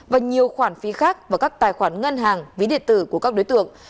và nhiều khoản phí khác vào các tài khoản ngân hàng ví điện tử của các đối tượng